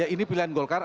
ini pilihan golkar